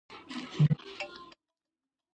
ټپي ته باید د دعا قوت ورکړو.